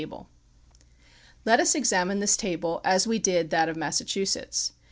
930 Let us examine this table as we did that of Massa chusetts.